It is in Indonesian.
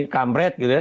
kamret gitu ya